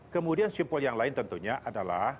kemudian simpul yang lain tentunya adalah